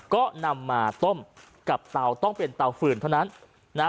ก็นำมาต้มกับเตาต้องเป็นเตาฝืนเท่านั้นนะ